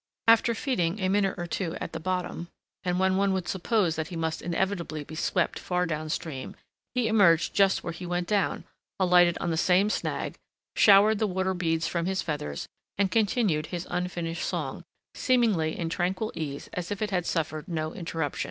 After feeding a minute or two at the bottom, and when one would suppose that he must inevitably be swept far down stream, he emerged just where he went down, alighted on the same snag, showered the water beads from his feathers, and continued his unfinished song, seemingly in tranquil ease as if it had suffered no interruption.